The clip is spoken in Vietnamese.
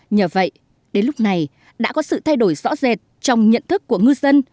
nhờ vậy đến lúc này đã có sự thay đổi rõ rệt trong nhận thức của ngư dân